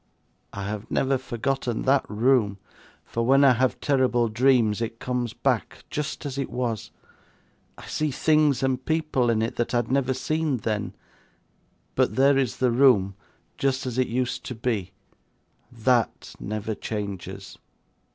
I have never forgotten that room; for when I have terrible dreams, it comes back, just as it was. I see things and people in it that I had never seen then, but there is the room just as it used to be; THAT never changes.